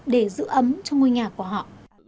để giữ ấm cho ngôi nhà của họ